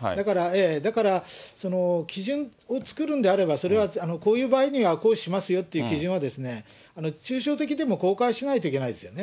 だから、基準を作るんであれば、それはこういう場合には、行使しますよっていう基準は、抽象的でも公開しないといけないですよね。